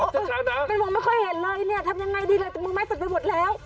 เป็นมันไม่ค่อยเห็นเลยเนี่ยทำยังไงดีเลยมันไม่ตัดไปหมดแล้ว